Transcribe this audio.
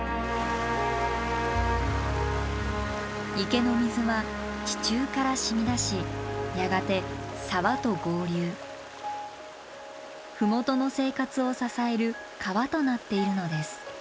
池の水は地中から染み出しやがて沢と合流麓の生活を支える川となっているのです。